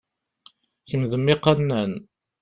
Kemm, d mm yiqannan!